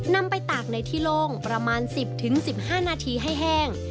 นำไปตากในที่โล่งประมาณ๑๐๑๕นาทีให้แห้ง